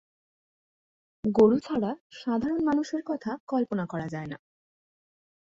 গরু ছাড়া সাধারণ মানুষের কথা কল্পনা করা যায়না।